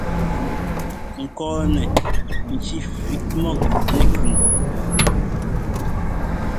Kɔɔnɛ ŋci fik mɔ nɛkʉn.